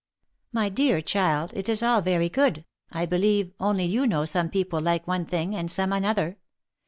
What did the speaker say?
" My dear child, it is all very good, I believe, only you know some people like one thing, and some another.